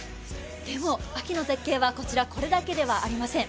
でも、秋の絶景はこれだけではありません。